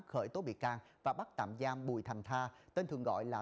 khởi tố bị can và bắt tạm giam bùi thành tha